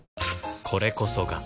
これこそが